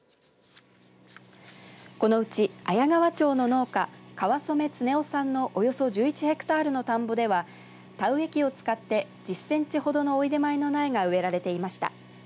このうち綾川町の農家川染常男さんのおよそ１１ヘクタールの田んぼでは田植え機を使って１０センチほどのおいでまいの苗が植えられていました。